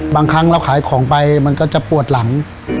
บางครั้งเราขายของไปมันก็จะปวดหลัง